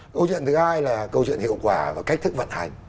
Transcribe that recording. câu chuyện thứ hai là câu chuyện hiệu quả và cách thức vận hành